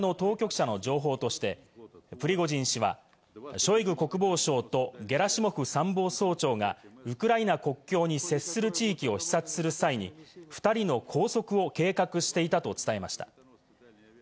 アメリカの有力紙、ウォール・ストリート・ジャーナルは２８日、西側の当局者の情報としてプリゴジン氏はショイグ国防相とゲラシモフ参謀総長がウクライナ国境に接する地域を視察する際に２人の拘束を計画していたと伝えました。